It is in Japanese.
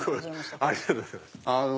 ありがとうございます。